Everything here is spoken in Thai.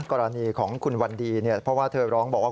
กรณีของคุณวันดีเนี่ยเพราะว่าเธอร้องบอกว่า